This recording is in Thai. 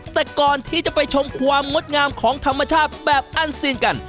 แต่ก่อนที่จะไปชมความงดงามของธรรมชาติแบบอันซีนกัน